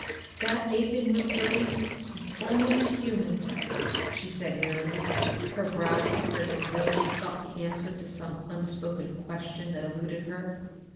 "That ape in repose is almost human," she said wearily, her brow puckered as though she sought the answer to some unspoken question that eluded her.